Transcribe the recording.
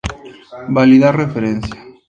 Validar Referencia